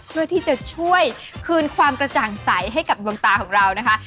เพื่อที่จะช่วยคืนความกระจ่างใสให้กับดวงตาของเรานะคะ